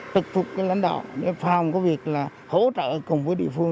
thực phục lãnh đạo để phòng có việc hỗ trợ cùng với địa phương